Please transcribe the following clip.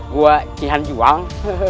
gua cihan juang